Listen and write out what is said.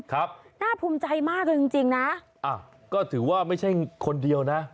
ครับน่าภูมิใจมากเลยจริงจริงนะอ่ะก็ถือว่าไม่ใช่คนเดียวนะ